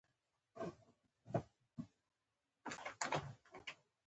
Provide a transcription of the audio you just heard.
د تخت ساتنه هر څه بدلوي.